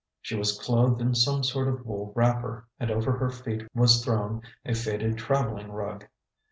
She was clothed in some sort of wool wrapper, and over her feet was thrown a faded traveling rug.